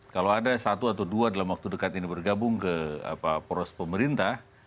kalau ada satu atau dua dalam waktu dekat ini bergabung ke poros pemerintah